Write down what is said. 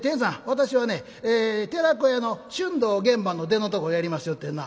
私はね『寺子屋』の春藤玄蕃の出のとこやりますよってにな」。